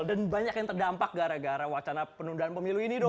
dan banyak yang terdampak gara gara wacana penundaan pemilu ini do